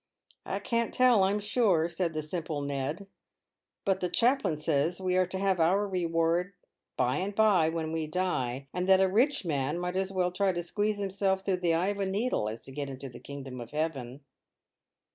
" I can't tell, I'm sure," said the simple Ned ;" but the chaplain says we are to have our reward by and by when we die, and that a rich man might as well try to squeeze himself through the eye of a needle as to get into the kingdom of Heaven."